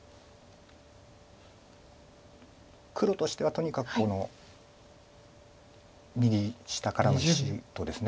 黒としてはとにかくこの右下からの石とですね